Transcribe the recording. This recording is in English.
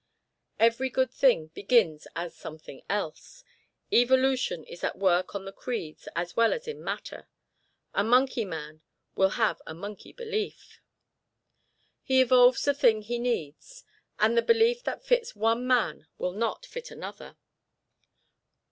Every good thing begins as something else. Evolution is at work on the creeds as well as in matter. A monkey man will have a monkey belief. He evolves the thing he needs, and the belief that fits one man will not fit another.